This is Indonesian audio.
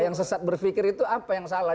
yang sesat berpikir itu apa yang salah